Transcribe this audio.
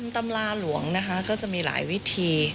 ตำราหลวงนะคะก็จะมีหลายวิธี